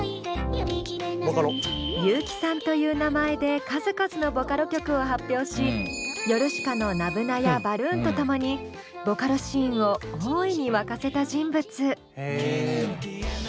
有機酸という名前で数々のボカロ曲を発表しヨルシカのｎ−ｂｕｎａやバルーンと共にボカロシーンを大いに沸かせた人物。